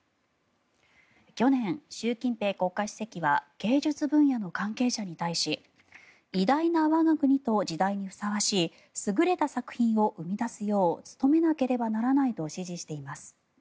去年、習近平国家主席は芸術分野の関係者に対し偉大な我が国と時代にふさわしい優れた作品を生み出すよう努めなければならないと指示しています。